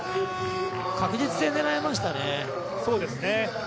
確実性狙いましたね。